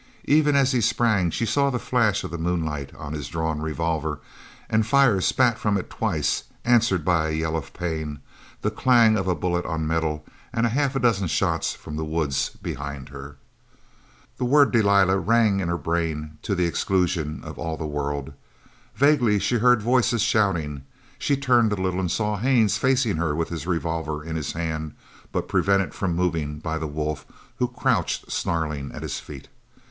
Even as he sprang she saw the flash of the moonlight on his drawn revolver, and fire spat from it twice, answered by a yell of pain, the clang of a bullet on metal, and half a dozen shots from the woods behind her. That word "Delilah!" rang in her brain to the exclusion of all the world. Vaguely she heard voices shouting she turned a little and saw Haines facing her with his revolver in his hand, but prevented from moving by the wolf who crouched snarling at his feet.